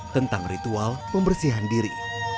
tentang ritual pembersihan diri